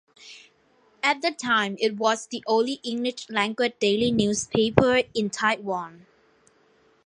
At the time it was the only English-language daily newspaper in Taiwan.